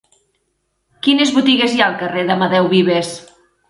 Quines botigues hi ha al carrer d'Amadeu Vives?